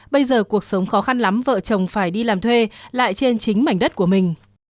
bây giờ cuộc sống khó khăn lắm vợ chồng phải đi làm thuê lại trên chính mảnh đất của mình